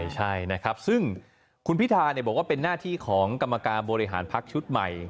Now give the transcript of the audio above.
ใช่นะครับซึ่งคุณพิธาบอกว่าเป็นหน้าที่ของกรรมการบริหารพักชุดใหม่